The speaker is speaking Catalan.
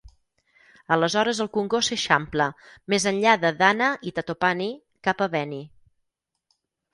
Aleshores el congost s'eixampla més enllà de Dana i Tatopani, cap a Beni.